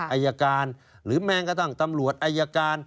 อายการหรือแม้กระทั่งตำรวจอายการ